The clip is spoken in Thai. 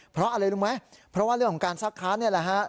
เพราะอะไรรู้ไหมเพราะว่าเรื่องของการซักค้านี่แหละฮะ